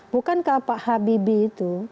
bukankah pak habibie itu